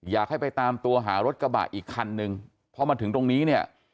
อยากให้ไปตามตัวหารถกระบะอีกคันนึงพอมาถึงตรงนี้เนี่ย